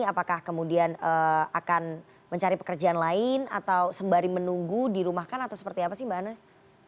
apakah kemudian akan mencari pekerjaan lain atau sembari menunggu dirumahkan atau seperti apa sih mbak anas